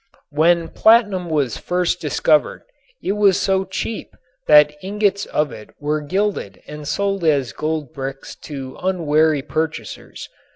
When platinum was first discovered it was so cheap that ingots of it were gilded and sold as gold bricks to unwary purchasers.